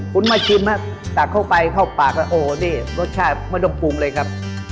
คุณมาชิมฮะตักเข้าไปเข้าปากแล้วโอ้นี่รสชาติไม่ต้องปรุงเลยครับ